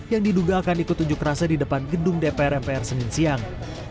yang diduga akan ikut unjuk rasa di depan gedung dpr mpr senin siang